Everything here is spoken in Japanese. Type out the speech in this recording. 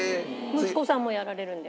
息子さんもやられるんで。